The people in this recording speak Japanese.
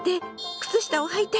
「靴下をはいて！」